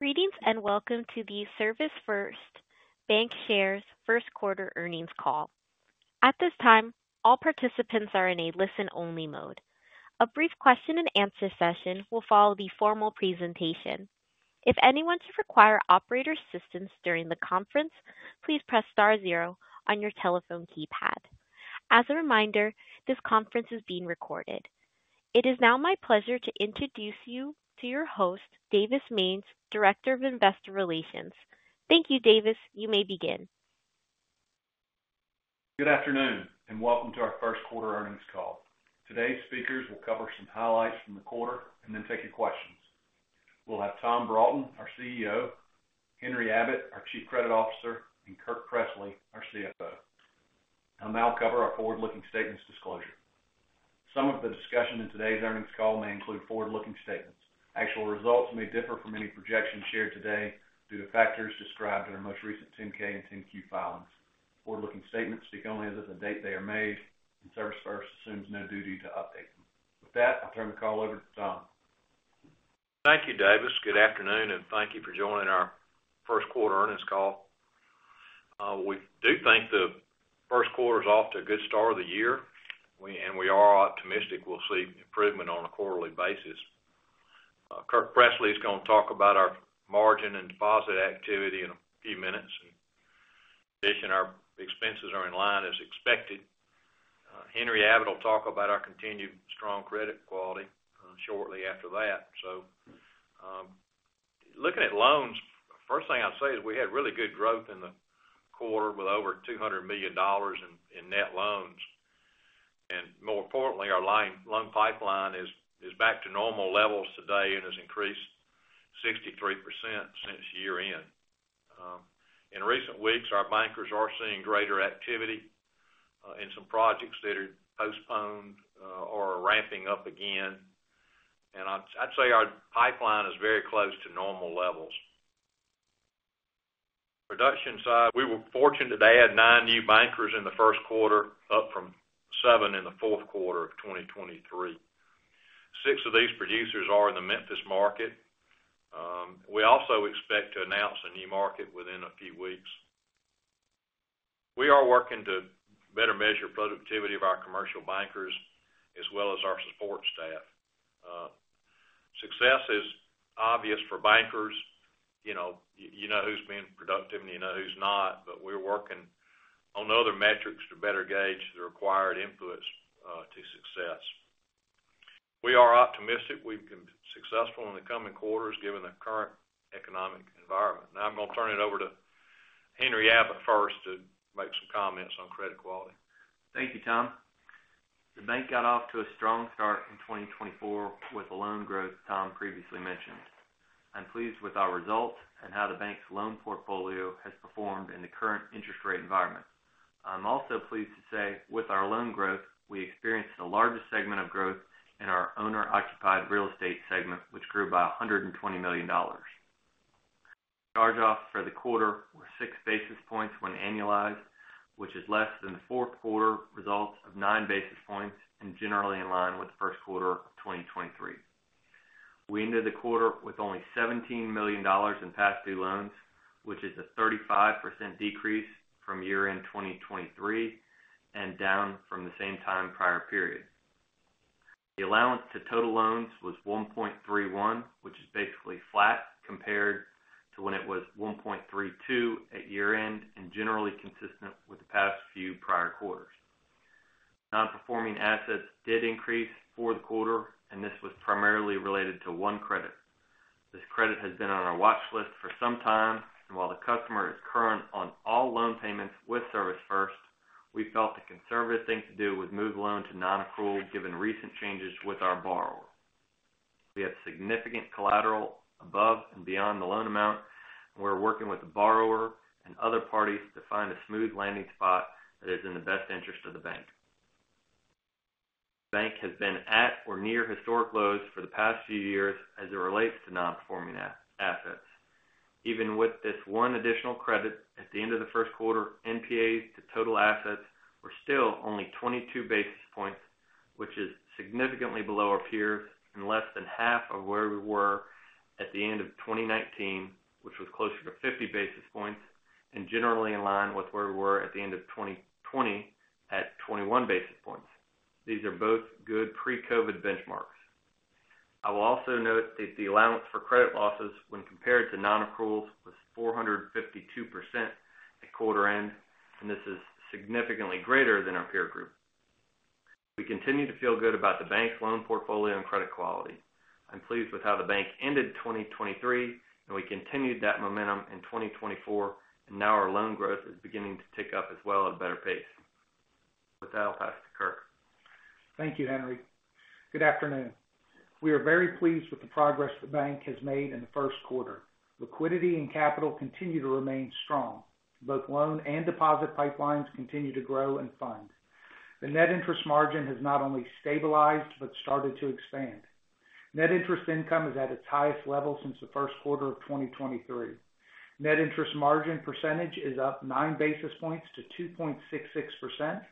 Greetings and welcome to the ServisFirst Bancshares first quarter earnings call. At this time, all participants are in a listen-only mode. A brief question-and-answer session will follow the formal presentation. If anyone should require operator assistance during the conference, please press star zero on your telephone keypad. As a reminder, this conference is being recorded. It is now my pleasure to introduce you to your host, Davis Mange, Director of Investor Relations. Thank you, Davis. You may begin. Good afternoon and welcome to our first quarter earnings call. Today's speakers will cover some highlights from the quarter and then take your questions. We'll have Tom Broughton, our CEO, Henry Abbott, our Chief Credit Officer, and Kirk Pressley, our CFO. I'll now cover our forward-looking statements disclosure. Some of the discussion in today's earnings call may include forward-looking statements. Actual results may differ from any projections shared today due to factors described in our most recent 10-K and 10-Q filings. Forward-looking statements speak only as of the date they are made, and ServisFirst assumes no duty to update them. With that, I'll turn the call over to Tom. Thank you, Davis. Good afternoon, and thank you for joining our first quarter earnings call. We do think the first quarter is off to a good start of the year, and we are optimistic we'll see improvement on a quarterly basis. Kirk Pressley is going to talk about our margin and deposit activity in a few minutes. In addition, our expenses are in line as expected. Henry Abbott will talk about our continued strong credit quality shortly after that. Looking at loans, the first thing I'd say is we had really good growth in the quarter with over $200 million in net loans. More importantly, our loan pipeline is back to normal levels today and has increased 63% since year-end. In recent weeks, our bankers are seeing greater activity in some projects that are postponed or ramping up again. I'd say our pipeline is very close to normal levels. Production side, we were fortunate to add 9 new bankers in the first quarter, up from 7 in the fourth quarter of 2023. 6 of these producers are in the Memphis market. We also expect to announce a new market within a few weeks. We are working to better measure productivity of our commercial bankers as well as our support staff. Success is obvious for bankers. You know who's being productive, and you know who's not. But we're working on other metrics to better gauge the required inputs to success. We are optimistic we've been successful in the coming quarters given the current economic environment. Now I'm going to turn it over to Henry Abbott first to make some comments on credit quality. Thank you, Tom. The bank got off to a strong start in 2024 with the loan growth Tom previously mentioned. I'm pleased with our results and how the bank's loan portfolio has performed in the current interest rate environment. I'm also pleased to say, with our loan growth, we experienced the largest segment of growth in our owner-occupied real estate segment, which grew by $120 million. Charge-offs for the quarter were 6 basis points when annualized, which is less than the fourth quarter results of 9 basis points and generally in line with the first quarter of 2023. We ended the quarter with only $17 million in past-due loans, which is a 35% decrease from year-end 2023 and down from the same time prior period. The allowance to total loans was 1.31%, which is basically flat compared to when it was 1.32% at year-end and generally consistent with the past few prior quarters. Non-performing assets did increase for the quarter, and this was primarily related to one credit. This credit has been on our watchlist for some time, and while the customer is current on all loan payments with ServisFirst, we felt the conservative thing to do was move loan to non-accrual given recent changes with our borrower. We have significant collateral above and beyond the loan amount, and we're working with the borrower and other parties to find a smooth landing spot that is in the best interest of the bank. The bank has been at or near historic lows for the past few years as it relates to non-performing assets. Even with this one additional credit at the end of the first quarter, NPAs to total assets were still only 22 basis points, which is significantly below our peers and less than half of where we were at the end of 2019, which was closer to 50 basis points and generally in line with where we were at the end of 2020 at 21 basis points. These are both good pre-COVID benchmarks. I will also note that the allowance for credit losses when compared to nonaccruals was 452% at quarter-end, and this is significantly greater than our peer group. We continue to feel good about the bank's loan portfolio and credit quality. I'm pleased with how the bank ended 2023, and we continued that momentum in 2024, and now our loan growth is beginning to tick up as well at a better pace. With that, I'll pass to Kirk. Thank you, Henry. Good afternoon. We are very pleased with the progress the bank has made in the first quarter. Liquidity and capital continue to remain strong. Both loan and deposit pipelines continue to grow and fund. The net interest margin has not only stabilized but started to expand. Net interest income is at its highest level since the first quarter of 2023. Net interest margin percentage is up 9 basis points to 2.66%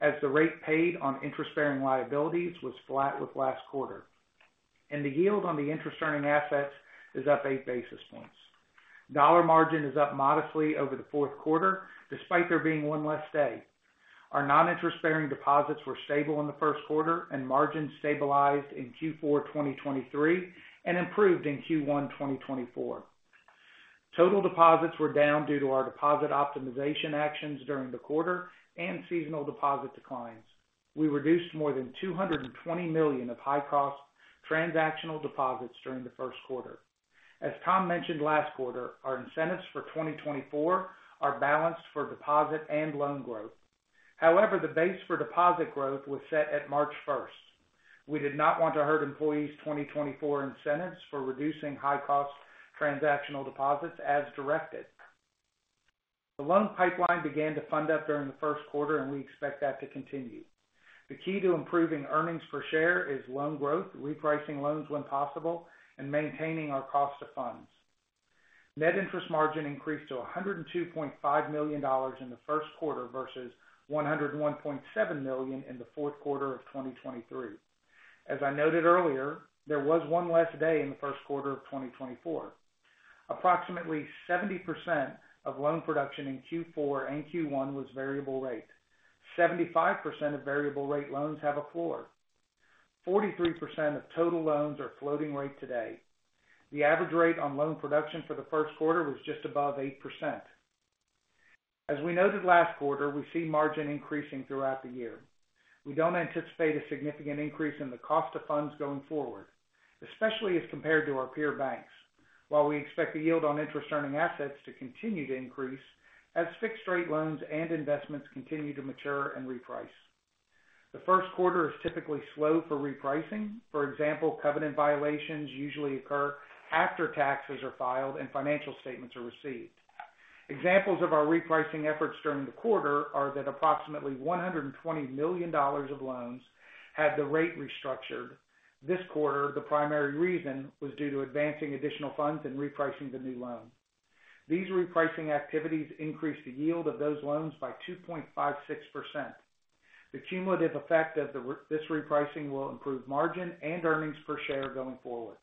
as the rate paid on interest-bearing liabilities was flat with last quarter. The yield on the interest-earning assets is up 8 basis points. Dollar margin is up modestly over the fourth quarter despite there being one less day. Our non-interest-bearing deposits were stable in the first quarter, and margins stabilized in Q4 2023 and improved in Q1 2024. Total deposits were down due to our deposit optimization actions during the quarter and seasonal deposit declines. We reduced more than $220 million of high-cost transactional deposits during the first quarter. As Tom mentioned last quarter, our incentives for 2024 are balanced for deposit and loan growth. However, the base for deposit growth was set at March 1st. We did not want to hurt employees' 2024 incentives for reducing high-cost transactional deposits as directed. The loan pipeline began to fund up during the first quarter, and we expect that to continue. The key to improving earnings per share is loan growth, repricing loans when possible, and maintaining our cost of funds. Net interest margin increased to $102.5 million in the first quarter versus $101.7 million in the fourth quarter of 2023. As I noted earlier, there was one less day in the first quarter of 2024. Approximately 70% of loan production in Q4 and Q1 was variable rate. 75% of variable rate loans have a floor. 43% of total loans are floating rate today. The average rate on loan production for the first quarter was just above 8%. As we noted last quarter, we see margin increasing throughout the year. We don't anticipate a significant increase in the cost of funds going forward, especially as compared to our peer banks, while we expect the yield on interest-earning assets to continue to increase as fixed-rate loans and investments continue to mature and reprice. The first quarter is typically slow for repricing. For example, covenant violations usually occur after taxes are filed and financial statements are received. Examples of our repricing efforts during the quarter are that approximately $120 million of loans had the rate restructured. This quarter, the primary reason was due to advancing additional funds and repricing the new loan. These repricing activities increased the yield of those loans by 2.56%. The cumulative effect of this repricing will improve margin and earnings per share going forward.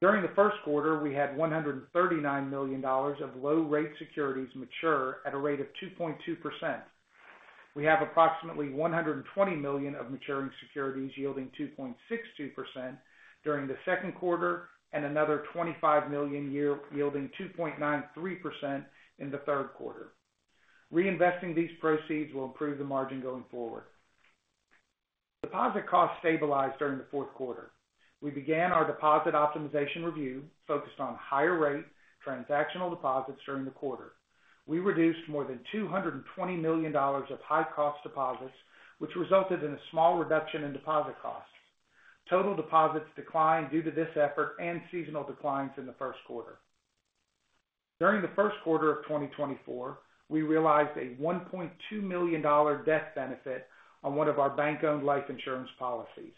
During the first quarter, we had $139 million of low-rate securities mature at a rate of 2.2%. We have approximately $120 million of maturing securities yielding 2.62% during the second quarter and another $25 million yielding 2.93% in the third quarter. Reinvesting these proceeds will improve the margin going forward. Deposit costs stabilized during the fourth quarter. We began our deposit optimization review focused on higher-rate transactional deposits during the quarter. We reduced more than $220 million of high-cost deposits, which resulted in a small reduction in deposit costs. Total deposits declined due to this effort and seasonal declines in the first quarter. During the first quarter of 2024, we realized a $1.2 million death benefit on one of our bank-owned life insurance policies.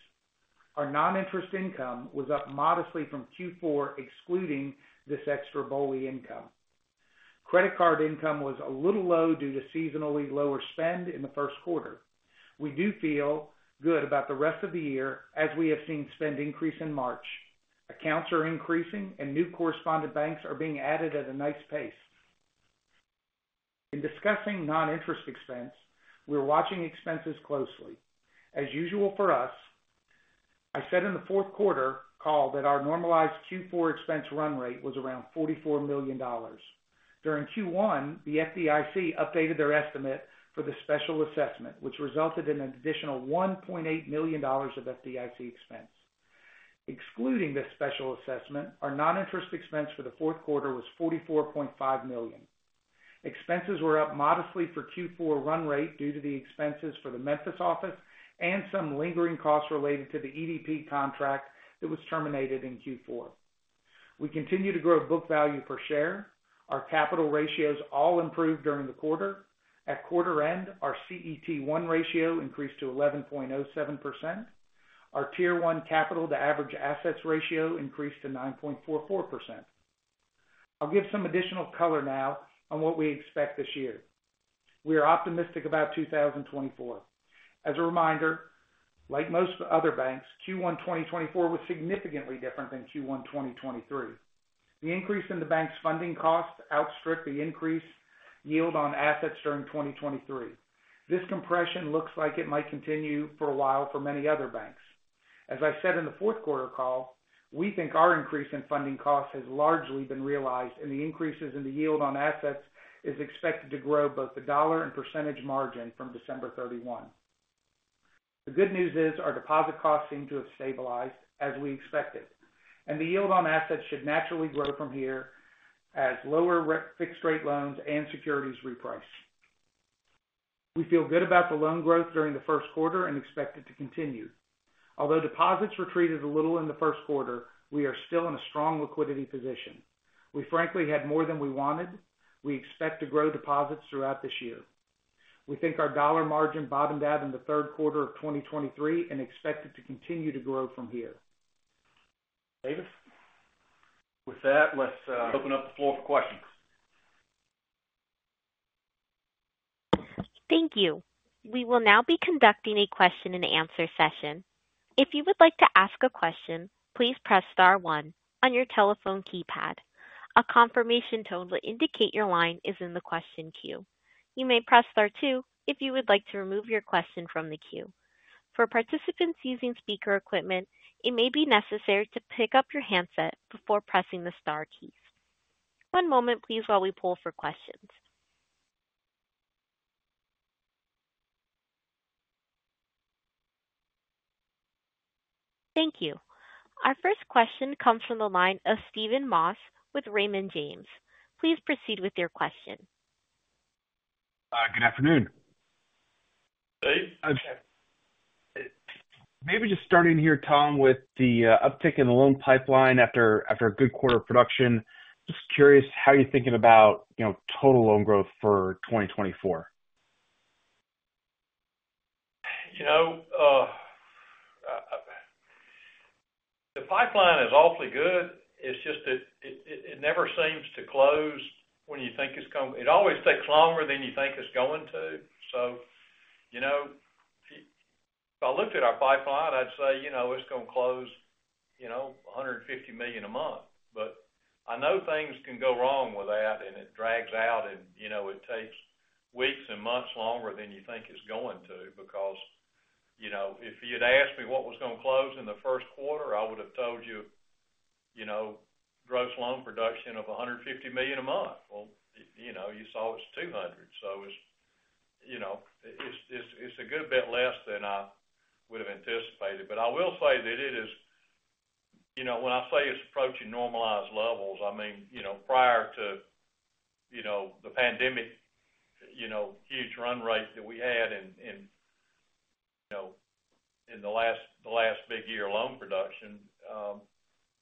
Our non-interest income was up modestly from Q4 excluding this extra BOLI income. Credit card income was a little low due to seasonally lower spend in the first quarter. We do feel good about the rest of the year as we have seen spend increase in March. Accounts are increasing, and new correspondent banks are being added at a nice pace. In discussing non-interest expense, we're watching expenses closely. As usual for us, I said in the fourth quarter call that our normalized Q4 expense run rate was around $44 million. During Q1, the FDIC updated their estimate for the special assessment, which resulted in an additional $1.8 million of FDIC expense. Excluding the special assessment, our non-interest expense for the fourth quarter was $44.5 million. Expenses were up modestly for Q4 run rate due to the expenses for the Memphis office and some lingering costs related to the EDP contract that was terminated in Q4. We continue to grow book value per share. Our capital ratios all improved during the quarter. At quarter-end, our CET1 ratio increased to 11.07%. Our Tier 1 capital-to-average assets ratio increased to 9.44%. I'll give some additional color now on what we expect this year. We are optimistic about 2024. As a reminder, like most other banks, Q1 2024 was significantly different than Q1 2023. The increase in the bank's funding costs outstripped the increased yield on assets during 2023. This compression looks like it might continue for a while for many other banks. As I said in the fourth quarter call, we think our increase in funding costs has largely been realized, and the increases in the yield on assets are expected to grow both the dollar and percentage margin from December 31. The good news is our deposit costs seem to have stabilized as we expected, and the yield on assets should naturally grow from here as lower fixed-rate loans and securities reprice. We feel good about the loan growth during the first quarter and expect it to continue. Although deposits retreated a little in the first quarter, we are still in a strong liquidity position. We, frankly, had more than we wanted. We expect to grow deposits throughout this year. We think our dollar margin bottomed out in the third quarter of 2023 and expect it to continue to grow from here. Davis? With that, let's open up the floor for questions. Thank you. We will now be conducting a question-and-answer session. If you would like to ask a question, please press star one on your telephone keypad. A confirmation tone will indicate your line is in the question queue. You may press star two if you would like to remove your question from the queue. For participants using speaker equipment, it may be necessary to pick up your handset before pressing the star keys. One moment, please, while we poll for questions. Thank you. Our first question comes from the line of Stephen Moss with Raymond James. Please proceed with your question. Good afternoon. Hey. Okay. Maybe just starting here, Tom, with the uptick in the loan pipeline after a good quarter of production. Just curious how you're thinking about total loan growth for 2024. The pipeline is awfully good. It's just that it never seems to close when you think it's going it always takes longer than you think it's going to. So if I looked at our pipeline, I'd say it's going to close $150 million a month. But I know things can go wrong with that, and it drags out, and it takes weeks and months longer than you think it's going to because if you'd asked me what was going to close in the first quarter, I would have told you gross loan production of $150 million a month. Well, you saw it's $200 million, so it's a good bit less than I would have anticipated. But I will say that it is when I say it's approaching normalized levels, I mean prior to the pandemic huge run rate that we had in the last big year loan production.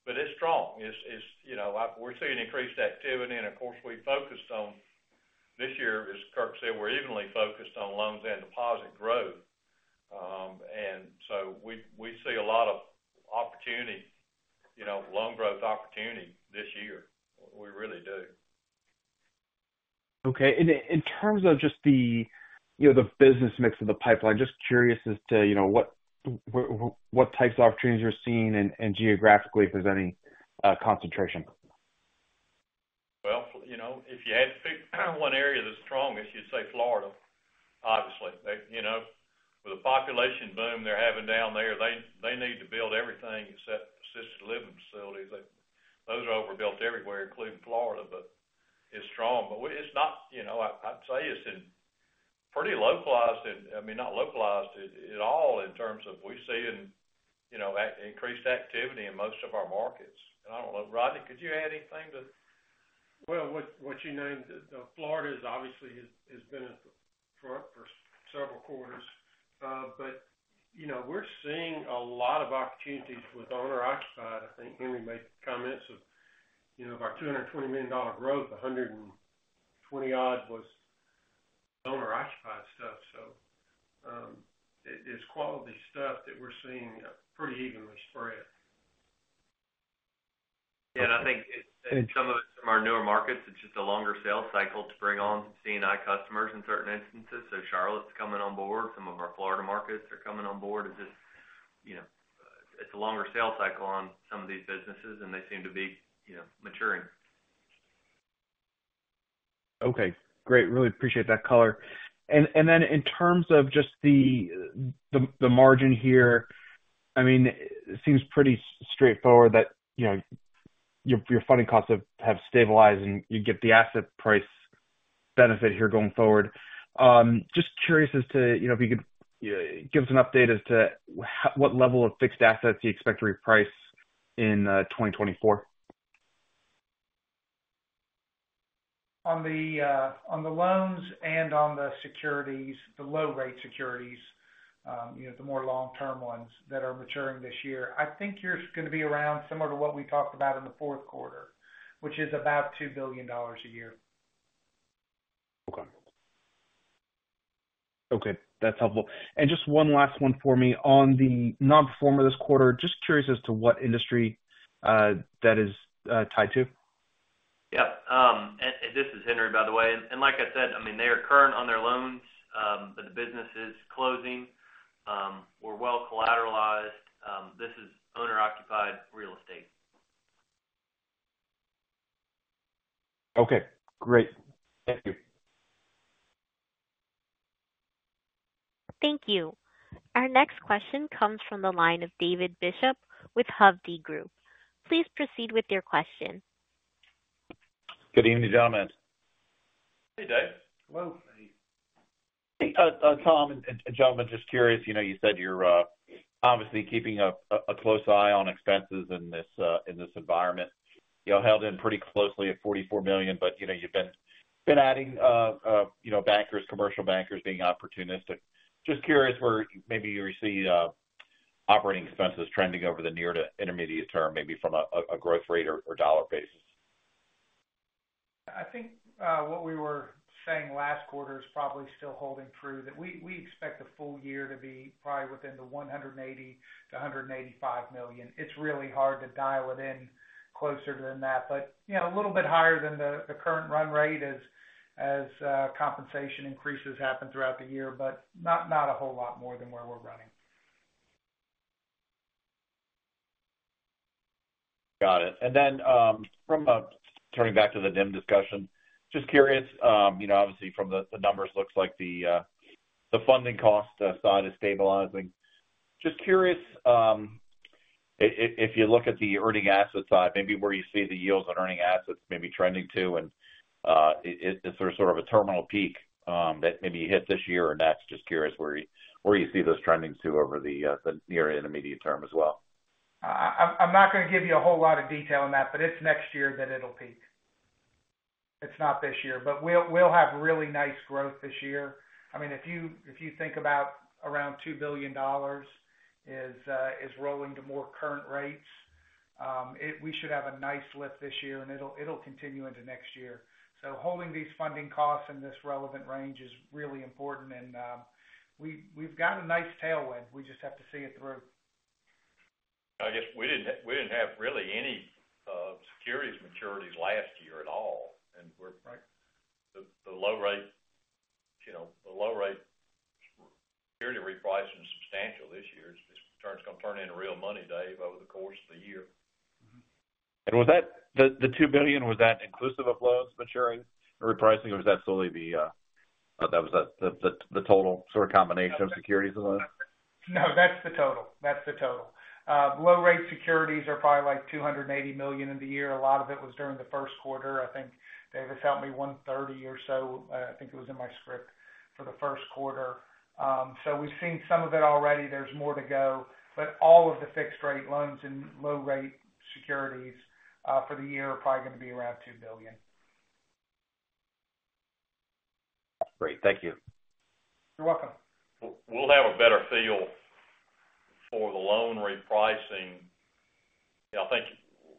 But it's strong. We're seeing increased activity, and of course, we focused on this year, as Kirk said, we're evenly focused on loans and deposit growth. And so we see a lot of opportunity, loan growth opportunity this year. We really do. Okay. In terms of just the business mix of the pipeline, just curious as to what types of opportunities you're seeing and geographically, if there's any concentration? Well, if you had to pick one area that's strongest, you'd say Florida, obviously. With a population boom they're having down there, they need to build everything except assisted living facilities. Those are overbuilt everywhere, including Florida, but it's strong. But it's not, I'd say it's pretty localized and I mean, not localized at all in terms of we're seeing increased activity in most of our markets. And I don't know. Rodney, could you add anything to? Well, what you named Florida, obviously, has been at the front for several quarters. But we're seeing a lot of opportunities with owner-occupied. I think Henry made comments of our $220 million growth, 120-odd was owner-occupied stuff. So it's quality stuff that we're seeing pretty evenly spread. I think some of it's from our newer markets. It's just a longer sales cycle to bring on some C&I customers in certain instances. Charlotte's coming on board. Some of our Florida markets are coming on board. It's just a longer sales cycle on some of these businesses, and they seem to be maturing. Okay. Great. Really appreciate that color. And then in terms of just the margin here, I mean, it seems pretty straightforward that your funding costs have stabilized, and you get the asset price benefit here going forward. Just curious as to if you could give us an update as to what level of fixed assets you expect to reprice in 2024? On the loans and on the securities, the low-rate securities, the more long-term ones that are maturing this year, I think you're going to be around similar to what we talked about in the fourth quarter, which is about $2 billion a year. Okay. Okay. That's helpful. And just one last one for me on the nonperforming this quarter. Just curious as to what industry that is tied to. Yep. This is Henry, by the way. Like I said, I mean, they are current on their loans, but the business is closing. We're well-collateralized. This is owner-occupied real estate. Okay. Great. Thank you. Thank you. Our next question comes from the line of David Bishop with Hovde Group. Please proceed with your question. Good evening, gentlemen. Hey, Dave. Hello. Hey, Tom. Gentlemen, just curious. You said you're obviously keeping a close eye on expenses in this environment. You all held in pretty closely at $44 million, but you've been adding bankers, commercial bankers being opportunistic. Just curious where maybe you see operating expenses trending over the near to intermediate term, maybe from a growth rate or dollar basis. I think what we were saying last quarter is probably still holding true, that we expect the full year to be probably within the $180 million-$185 million. It's really hard to dial it in closer than that, but a little bit higher than the current run rate as compensation increases happen throughout the year, but not a whole lot more than where we're running. Got it. And then turning back to the NIM discussion, just curious. Obviously, from the numbers, it looks like the funding cost side is stabilizing. Just curious if you look at the earning asset side, maybe where you see the yields on earning assets maybe trending to, and is there sort of a terminal peak that maybe you hit this year or next? Just curious where you see those trending to over the near intermediate term as well. I'm not going to give you a whole lot of detail on that, but it's next year that it'll peak. It's not this year. But we'll have really nice growth this year. I mean, if you think about around $2 billion is rolling to more current rates, we should have a nice lift this year, and it'll continue into next year. So holding these funding costs in this relevant range is really important, and we've got a nice tailwind. We just have to see it through. I guess we didn't have really any securities maturities last year at all, and the low-rate security repricing is substantial this year. It's going to turn into real money, Dave, over the course of the year. Was that the $2 billion, was that inclusive of loans maturing and repricing, or was that solely the total sort of combination of securities and loans? No, that's the total. That's the total. Low-rate securities are probably like $280 million in the year. A lot of it was during the first quarter. I think Davis helped me $130 million or so. I think it was in my script for the first quarter. So we've seen some of it already. There's more to go. But all of the fixed-rate loans and low-rate securities for the year are probably going to be around $2 billion. Great. Thank you. You're welcome. We'll have a better feel for the loan repricing. I think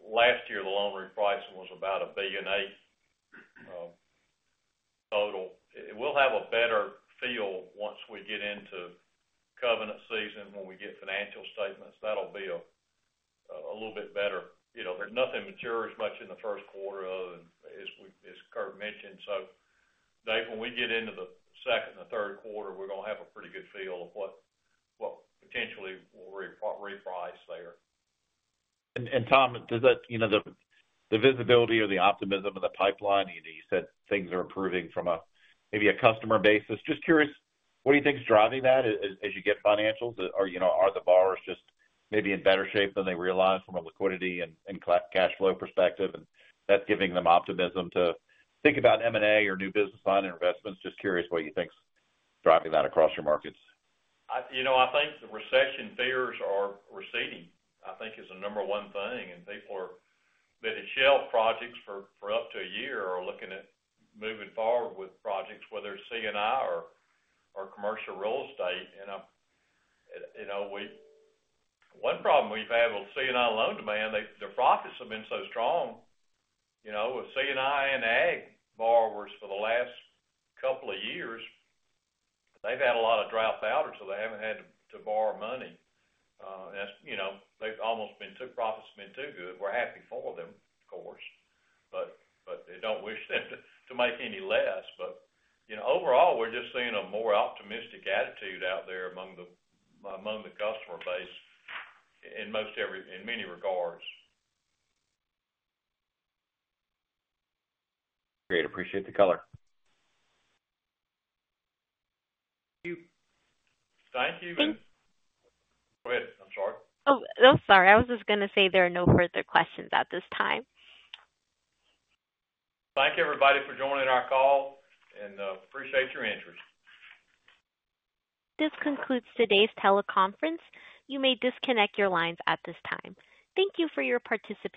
last year, the loan repricing was about $1.8 billion total. We'll have a better feel once we get into covenant season, when we get financial statements. That'll be a little bit better. There's nothing matured as much in the first quarter other than, as Kirk mentioned. So Dave, when we get into the second and third quarter, we're going to have a pretty good feel of what potentially will reprice there. Tom, does that give the visibility or the optimism of the pipeline? You said things are improving from maybe a customer basis. Just curious, what do you think's driving that as you get financials? Are the borrowers just maybe in better shape than they realize from a liquidity and cash flow perspective? And that's giving them optimism to think about M&A or new business line investments. Just curious what you think's driving that across your markets. I think the recession fears are receding, I think, is the number one thing. People that have shelved projects for up to a year are looking at moving forward with projects, whether it's C&I or commercial real estate. One problem we've had with C&I loan demand, their profits have been so strong. With C&I and ag borrowers for the last couple of years, they've had a lot of dropout, or so they haven't had to borrow money. They've almost been too profits have been too good. We're happy for them, of course, but they don't wish them to make any less. Overall, we're just seeing a more optimistic attitude out there among the customer base in many regards. Great. Appreciate the color. Thank you. Thank you. Go ahead. I'm sorry. Oh, oh, sorry. I was just going to say there are no further questions at this time. Thank everybody for joining our call, and appreciate your interest. This concludes today's teleconference. You may disconnect your lines at this time. Thank you for your participation.